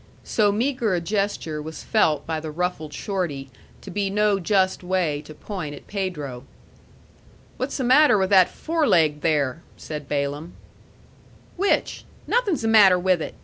So meagre a gesture was felt by the ruffled Shorty to be no just way to point at Pedro. "What's the matter with that foreleg there?" said Balaam. "Which? Nothin's the matter with it!"